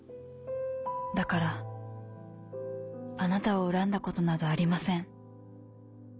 だからあなたを恨んだことなどありません。